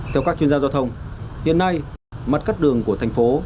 theo các chuyên gia giao thông hiện nay mặt cắt đường của thành phố